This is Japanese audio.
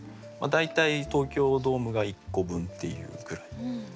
大体東京ドームが１個分っていうぐらい。